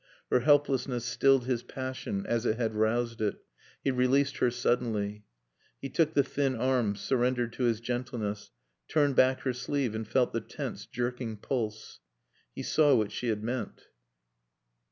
Her helplessness stilled his passion as it had roused it. He released her suddenly. He took the thin arm surrendered to his gentleness, turned back her sleeve and felt the tense jerking pulse. He saw what she had meant.